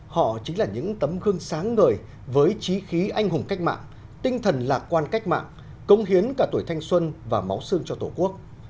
họ chính là những tấm gương sáng ngời với trí khí anh hùng cách mạng tinh thần lạc quan cách mạng công hiến cả tuổi thanh xuân và máu xương cho tổ quốc